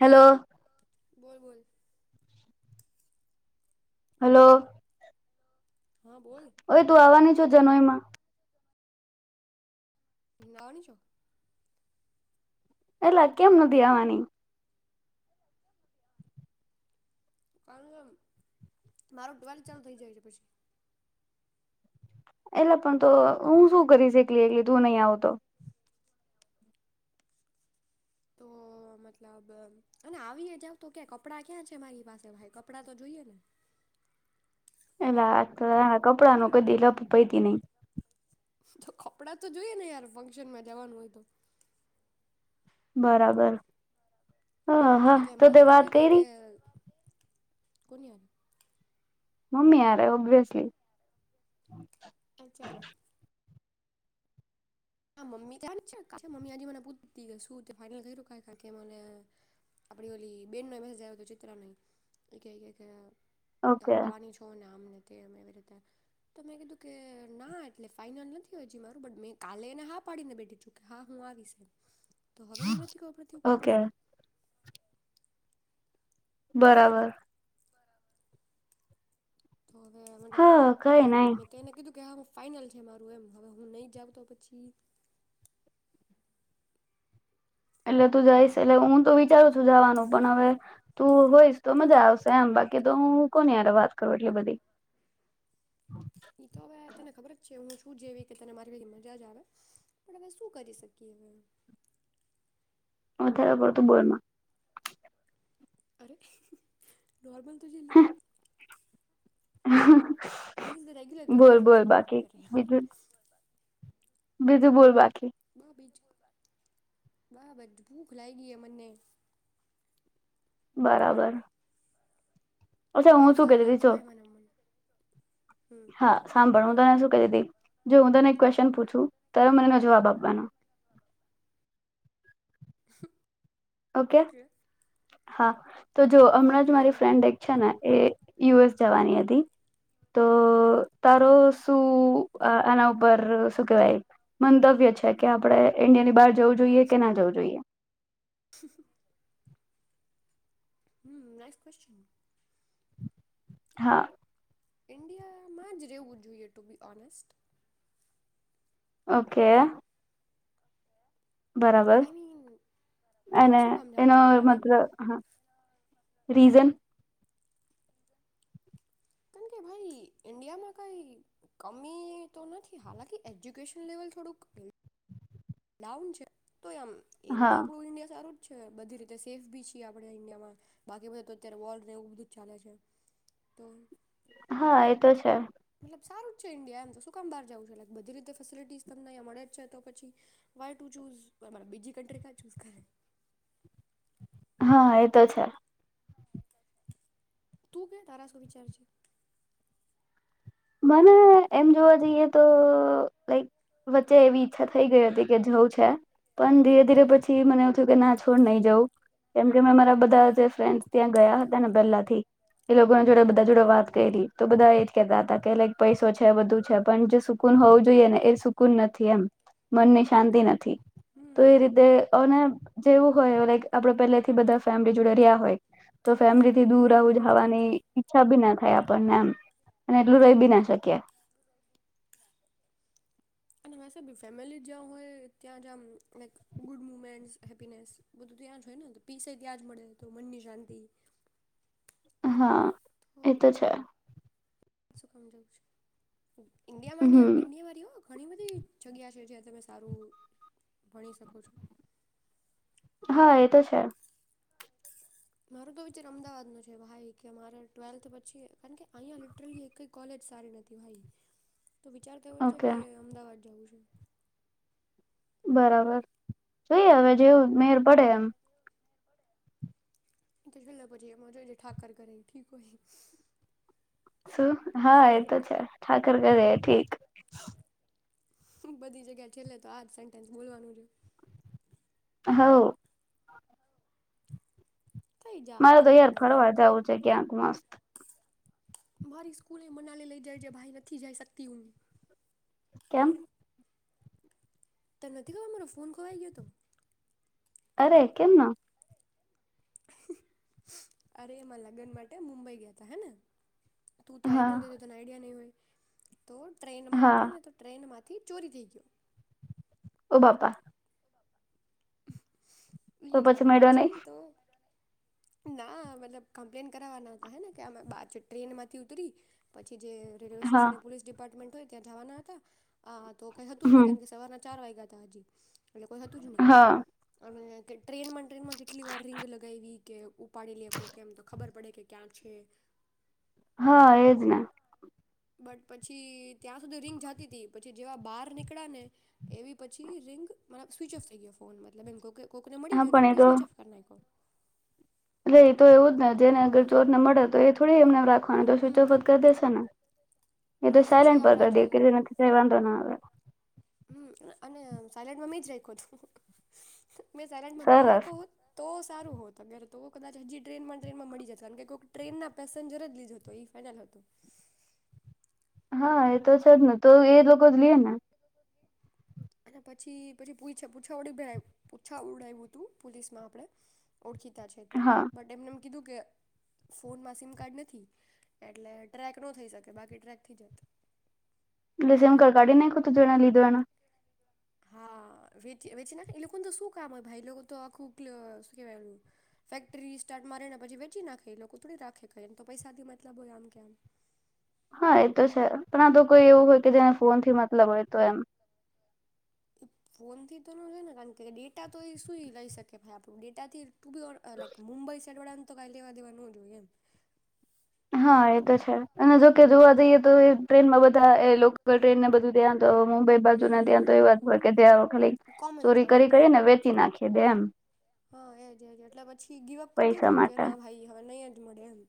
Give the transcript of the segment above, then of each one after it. Hello બોલ બોલ hello hello હા બોલ ઓય તું આવવાની છું જનોઈ માં? તું આવવાની છો? એટલા કેમ નથી આવાની? કારણ મારું ટ્વેલ્થ ચાલુ થઇ જાય છે પછી. એટલા પણ તો હું શું કરીશ એકલી એકલી તું નહી આવું તો. તો મતલબ અને આવીએ જાવ તો કે કપડા ક્યાં છે મારી પાસે ભાઈ કપડાં તો જોઈએને. એટલે આ તો આ કપડા નો લપ કદી પૈતી નહી. તો કપડાં તો જોઈએ ને યાર ફંક્શનમાં જવાનું હોય તો. બરાબર. હા હા એટલે તો તે મમ્મી વાત કહેતી કયરી ફરી આવ મમ્મી હારે ઓબ્વિયસલી. અચ્છા હા મમ્મી [inaudible] મમ્મી આજે મને પૂછતી [inaudible] આપડી ઓલી બેનને [inaudible] ચિત્રા ને તો એ કે ઓલા તો ઓકે આવાની છો ને આમને. તે અમે તેવી રીતે તો મે કીધુ કે ના એટલે ફાઈનલ નથી હજી મારું બટ મે કાલે. ને હુ હા પાડીને બેઠી છુ કે હા હું આવી. તો હવે મને નથી કે ખબર પડતી હું કરું ઓકે શું બરાબર. તો હવે મતલબ હા કઈ હવે નહી. મેં તેને કીધું કે હા હવે ફાઈનલ છે મારું એમ હવે હું નહી જાવ તો પછી. એટલે તું જઈશ એટલે હું તો વિચારું છું જવાનું પણ હવે તું હોઈશ તો મજા આવશે એમ બાકી તો હું કોને યાર વાત કરું એટલે બધી. ઈ તો હવે તને ખબર જ છે હું જેવી રીતે તને મારી ભેગા મજા જ આવે પણ અવે શું કરી શક્યુ એને અત્યારે બધુ બંધ અરે. નોર્મલ તો છેને હાહ there is the regular conversation ah અરે યાર બીજું બીજું, બોલ બાકી બ બીજું. વાહબજ હુ ભુલાઈ ગઇ અને બરાબર. અચ્છા હું શું વોફેલ કતી હા હતી એ જો [inaudible] હા સાંભળ. શુ કહતી દી જો હું તને ક્વેશન પૂછું ત્યારે મનેનો જવાબ આપવાનો. ઓકે. હા. તો જો હમણાં ઓકે જ મારી ફ્રેન્ડ એક છે. એ યુ એસ જવાની હતી તો. તારો હમ સું આના ઉપર શું કેવાય મંતવ્ય છે કે આપણે ઇન્ડિયાની બહાર જવું જોઈએ કે ના જવું જોઈએ હ નાઇસ ક્વેશચન હા. ઇન્ડિયામાં જ રહેવું જોઈએ ટુ બી ઓનેસ્ટ ઓકે. બરાબર આઈ મીન બારે અને શું કામ એનો જાવું છે એમ મતલબ હા રીઝન કારણ કે ભાઈ ઈન્ડિયામાં કઈ કમી તો નથી હાલાકી એજ્યુકેશન લેવલ થોડુંક ડાઉન છે તો એમ એમ તો હા આપડું ઈન્ડિયા સારું બધી રીતે સેફ બી છીએ આપ ઇન્ડિયામાં બાકી બધા અત્યારે વાર ન એવું બધું ચાલે છે તો હા એ તો છે મતલબ સારું જ છે ઇન્ડિયા એમ શું કામ બહાર જવું છે એટ બધી રીતે ફેસિલિટી તમને મળે છે તો પછી વાય ટુ ચૂઝ બીજી કન્ટ્રી કા ચૂસ કરે હા એતો છે તું ક્યા તારા શું વિચાર છે. મને એમ જોવા જઈએ તો લાઈક વચ્ચે એવી ઈચ્છા થઈ ગઈ હતી કે જઉું છે પણ ધીરે ધીરે પછી મને એવું થયું કે ના છોડ નહી જવું કેમ કે મેં મારા બધા જે ફ્રેન્ડસ ત્યાં ગયા હતા ને પહેલા થી એ લોકોને જોડે બધા જોડે વાત કરી તો બધા એ જ કેહેતા હતા કે લાઈક પૈસો છે બધું છે પણ જે સુકૂન હોવું જોઈએ ને એ સુકૂન નથી એમ મનની શાંતિ નથી તો હમ એ રીતે અને જેવું હોય લાઇક આપડે પહેલા થી બધા ફેમિલી જોડે રહ્યા હોય તો ફેમિલી દૂર હમ આવ એ જે જવાની છે ઈચ્છા બી ના થયા આપણને એમ અને ર રહી બી ના શકીએ ફેમિલી જ્યાં હોય ત્યાં જ ગુડ મુમેન્ટ હેપીને બધું ત્યાં જ હોય ને પીસે ત્યાં જ મળે તો મનની શાંતિ હા. તો એતો છે. શું કમજોર છ ઇન્ડિયામાં હમ ન્ડિયા વારી હ ઘણી બધી જગ્યા છે જ્યા તમે સારું ભણી શકો છો હા એ તો છે. મારો તો વિચાર અમદાવાદ નો છે ભાઈ કે અરે ટ્વેલ્થ પછી કારણ કે અહીંયા લિટરલી કઈ કોલેજ સારી નથી ભાઈ તો વિચાર થવો જ છે ઓકે કે અમદાવાદ જવું છે. બરાબર જોઈ હવે જેવું મેર પડે એમ [unintelligible] શું હા એતો છે ઠાકર કરે ઠીક બધી જગ્યા છેલ્લે તો આ જ સેન્ટેન્સ બોલવાનું છે હવ થઈ જાય મારે તો કાંઈક યાર મતલબ ફરવા જવું છે ક્યાંક મસ્ત મારી સ્કૂલ એ મનાલી લઈ જાય જે ભાઈ નથી જઈ શકતી હું કેમ ત નથી ખબર મારો ફોન ખોવાઈ ગયો હતો અરે કેમ ના અરે એમાં લગ્ન માટે મુંબઈ ગયા ત હેને તું તો હા આઈવી નતી તો તને આઈડીયા નહીં હોય. તો ટ્રેનમાં હા હતા ને તો ટ્રેનમાં થી ચોરી થઈ ગયો. ઓ બાપા [inaudible] તો [inaudible] અને મેળ્યો નહી પછી તો ના મતલબ કમ્પ્લેન કરાવવા ના હતા હેને કેમે ટ્રેન માંથી ઉતરી પછી હા રેલ્વેસ્ટેશને એ પોલીસ ડિપાર્ટમેન્ટ હો જવાનાં હતા. કઈ હતું હમ નય [unintelligible] સવારના ચાર વાગ એટલે કોઈ હતું જ નય. [unintelligible] હા. ટ્રેનમાં ટ્રેનમાં કેટલી વાર રીંગ લગાયવી કે ઉપાડી લેહો કેમ તો ખબર પડે કે ક્યાં છે. હા એજ ને. બટ પછી ત્યાં સુધી રિંગ જતી હતી પછી જેવા બહાર નીકળ્યા ને, એવી પછી રિંગ સ્વિચઓફ થઈ ગયો ફોન મતલબ એમ કોકને મળી હા પણ એ ગયોને તો સ્વિચઓફ કર નાયખો. એતો એવું જ ને જેને અગર ચોર ને મળે તો એ થોડી એમને હા, તો હમ સ્વિચઓફ જ કરી દેશે ને, એતો અને પછી સાયલેન્ટ પર આપણા જે કરી દે વાંધો ના આવે. હમ અને સાયલેન્ટ માં મેજ રાયખો તો. મેં સાયલેટમાં નો સરસ રાયખો હોટ તો સારું હોત અગર કદાચ હજી ટ્રેનમાં ટ્રેનમાં મળી જતે ટ્રેન ના પેસેન્જર જ લીધો હતો. હા એ તો છે જ ને તો એ લોકોજ લિયે ને. અને પછી પછી પૂછડાવ્યું ઉડાયું હતું પોલીસમાં આપણે ઓળખીતા છે ત્યાં હા બટ એમને કિધું કે ફોનમાં સીમ કાર્ડ નથી, એટલે ટ્રેક ન થઈ શકે બાકી ટ્રેક થઈ જતે. એટલે [unintelligible] હા વેચી નાખે એ લોકોને તો શું કામ હોય ભાઈ લોકો તો આખું શ કેવાય, ફેક્ટરી સ્ટાર્ટ મારેને પછી વેચી નાખે લોકો થોડી રાખેમ તો પૈસાથી મતલબ હોય આમ કે આમ. હા એ તો છે પણ આ તો કોઈ એવું હોય કે જેને ફોન થી મતલબ હોય તો એમ. ફોનથી તો નો હોય ને કારણ કે ડેટા તો શું લઈ શકે આપણા ભાઈ ડેટા થી [unintelligible] [unintelligible] હા એ તો છે, અને જોકે જોવા જઈએ તો ટ્રેનમાં બધા એ લોકલ ટ્રેનને બધું ધ્યાન તો મુંબઈ હમ બાજુને ત્યાં તો એ વાત હોય હમ કે ત્યાં ખાલી, કોમન છે ચોરી આવું કરી બધું કરી એમ ને વેચી નાખી દે એમ. હા એજ એજ એટલે પછી ગીવઅપ કરી પૈસા દીધું કે માટે ના ભાઈ હવે નયજ મળે એમ.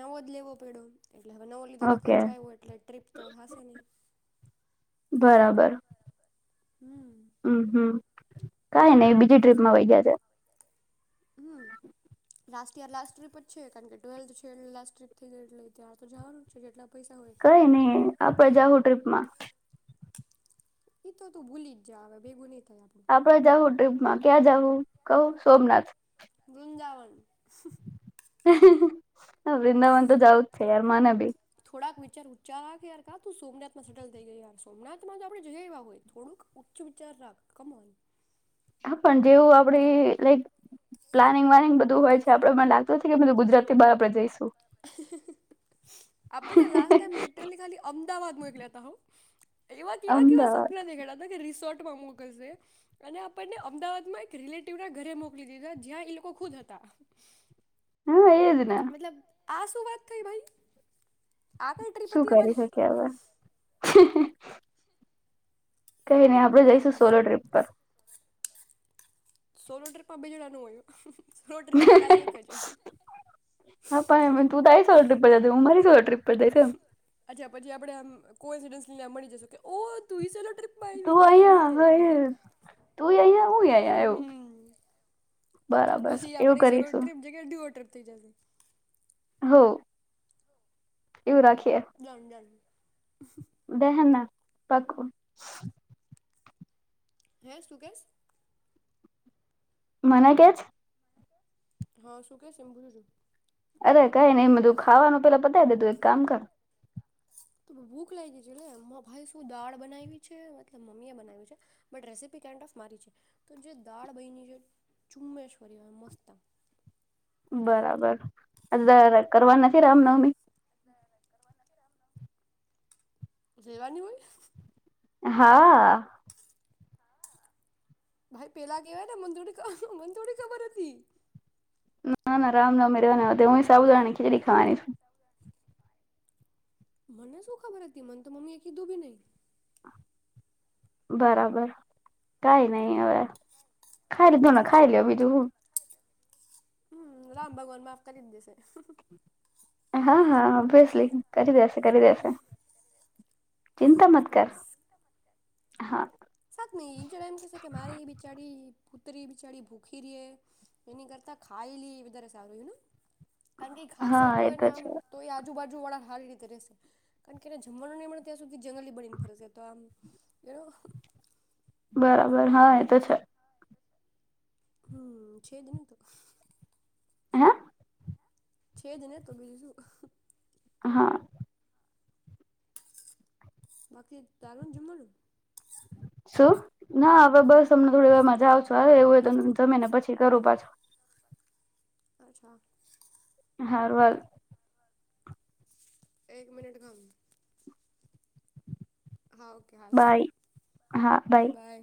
નવોજ લેવો પયડો. એટલે હવે નવો લીધો તો ઓકે ખર્ચો આવ્યો એટલે ટ્રીપ તો થાશે નય. બરાબર હમ હમ. કઈ નને બીજી ટ્રીપમાં વહી ગયા છે. હમ લાસ્ટ યર લાસ્ટ ટ્રીપ જ છે કારણ કે ટ્વેલ્થ છે એ લાસ્ટ ટ્રીપ થઈ ગઈ એટલે ત્યાર તો જવાનું છે. પૈસા હોય એટલા કઈ નઈ આપડ જાહું ટ્રીપમાં. એ તો તું ભૂલી જ જ હ ભેગું થાય આપણું આપણે જહુ ટ્રીપ ક્યાં જવું કવ સોમનાથ. વૃંદાવન. [inaudible] હ વૃંદાવન તો જવું જ છે યાર મને બી. થોડાક વિચાર ઉચ્ચાર રાખ યાર કા તું સોમનાથમાં સેટલ થઈ ગય યાર સોમનાથમાં તો આપણે જઈયા હોય થોડુંક ઉચ્ચ વિચાર રાખ કમાનું. હા પણ જેવું આપડી લાઈક, પ્લાનિંગ વાનિંગ બધું હોય છે આપડે મને લાગતું નથી કે બધું ગુજરાતી બહ આપડે જઈશું. આપણને લાસ ટાઈમ લિટરલી ખાલી અમદાવાદમાંલે હતા. એવા કેવા કેવા અમદાવાદ સપના દેખાયડા હતા કે રિસોર્ટ અને અમદાવાદ એક ર ના ઘરે મોકલી દીધા જ્યાં એ લોકો ખુદ હતા. હા એ મતલબ આ શું વાત થઈ ભાઈ? આ કઈ ટ્રીપ શું હતી કરી અમારી શકી હવે. કઈ નહી આપણેે બસ જઈશું જો સોલો ટ્રીપ પર. સોલો ટ્ર્રીપમાં બેજડાનું હોય. અપ એમ તું તાય સ બધા હુંરી ટ્ર્રીપ અચ્છા પછી આપડે આમ કોઈઇસીડન્સ નહી એમની જઈકે ઓ તુંહી ચલો. ટ્રિપ આઇવિ તું ઓ હું અહિયાં હવે તું અહિયાં હું અહિયાં એવું અ્છા બરાબર પછી એવું આપણી સલો કરીશું ટ્રીપની જગ્યા ટપ જશે. [unintelligible] હ. Done done. દેહના, [unintelligible] હે સુુંકેશી મન કે છે? [unintelligible] અરે કઈ નઈ બધું ખાવાનું તો મેં પતાઇ ધીધુ, એક કામ કર. ભૂખ લાગી છે ને મુ ભાઇ શું દાળ બનાવી છે મતલબ મમ્મી બનાવી છે બટ રેસીપી કાઇન્ડ ઓફ મારી છે તો જે દાળ બની છે ચુ્મ્યા જ કરીએ મસ્ત બરાબર, એટલે એને કરવા નથી રામનવમી? સેવાની હોય. હા. ભાઈ પેલા કેવાય ને મન થોડી મન થોડી ખબર હતી. ના ના, રામનવમી રહેવા દે, હું ય સાબુદાણાની ખીચડી ખાવાની છું. મને શું ખબર હતી? મને તો મમ્મી એ કીધું બી નહીં. બરાબર, કંઈ નહીં. હવે ખાઈ લીધું ને તો ખાઈ લો, બીજું હુ? હમ, રામ ભગવાન માફ કરી દે છે. હા, હા, ઓબવ્યિસલી કરી દેશે. કરી દેશે. ચિંતા મત કર અફકોસ, હા [unintelligible] વિશે તમારી બિચારી. કૂતરી બિચડી ભૂખી રહે, એની કરતા ખાઈલે એ વધારે સારું ને. કારણ કે ખાસે હા તો એ એને છે આમ તો એ આજુબાજુ [unintelligible] આવી જ રહેસે કારણ કે, એને જમવાનું નહીં મળે ત્યાં સુધી સુધી જંગલી બળ ની ફરજ તો આમ. એનો બરાબર. હા એ તો છે. હમ છ દને તો. હે? છે જ તો બીજું શું. હા. બાકી તારું જમલું? શું? ના હવે બસ તમને થોડી વાર મજા આવો હ એવું જમી ને પાછી કરું પાછું. અચ્છા. હારવાલ. એક મિનિટ ઘામ હા ઓકે હા, બાય બાય.